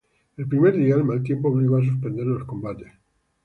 El primer día el mal tiempo obligó a suspender los combates.